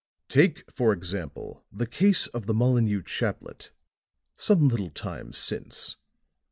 Take for example the case of the Molineux chaplet, some little time since.